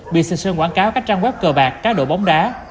bị sìn sơn quảng cáo các trang web cờ bạc cá độ bóng đá